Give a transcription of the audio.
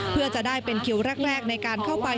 เพื่อจะได้เป็นคิวแรกในการเข้าไป